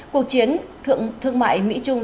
cuộc chiến thương mại mỹ trung